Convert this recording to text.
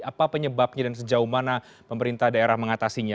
apa penyebabnya dan sejauh mana pemerintah daerah mengatasinya